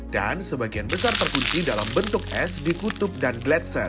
dan sebagian besar terkunci dalam bentuk es di kutub dan gletser